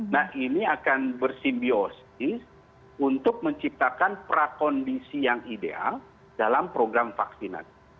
nah ini akan bersimbiosis untuk menciptakan prakondisi yang ideal dalam program vaksinasi